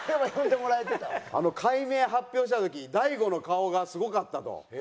改名発表した時大悟の顔がすごかったと。